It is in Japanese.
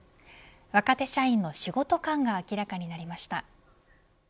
若手社員の仕事観が明らかになりました。